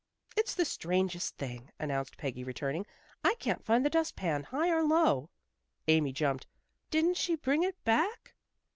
"It's the strangest thing," announced Peggy returning, "I can't find the dustpan high or low." Amy jumped. "Didn't she bring it back?"